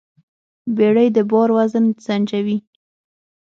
بیړۍ د بار وزن سنجوي.